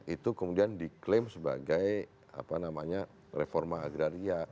itu kemudian diklaim sebagai reforma agraria